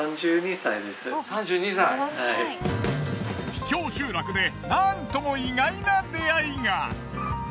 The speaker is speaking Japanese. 秘境集落でなんとも意外な出会いが。